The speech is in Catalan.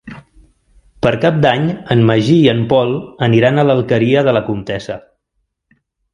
Per Cap d'Any en Magí i en Pol aniran a l'Alqueria de la Comtessa.